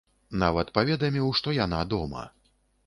Нават паведаміў, што яна дома.